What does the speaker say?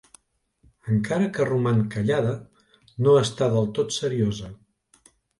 Encara que roman callada, no està del tot seriosa.